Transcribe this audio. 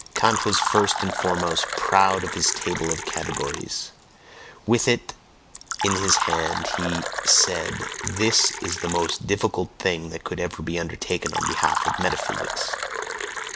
Kant was first and foremost proud of his Table of Categories; with it in his hand he said: "This is the most difficult thing that could ever be undertaken on behalf of metaphysics."